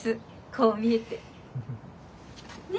こう見えて。ね。